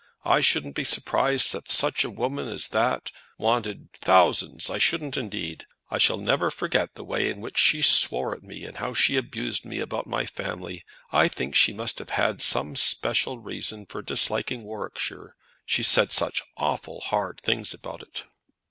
I shouldn't be surprised if such a woman as that wanted thousands! I shouldn't indeed. I shall never forget the way in which she swore at me; and how she abused me about my family. I think she must have had some special reason for disliking Warwickshire, she said such awful hard things about it."